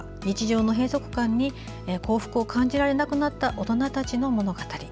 日常の閉塞感に幸福を感じられなくなった大人たちの物語。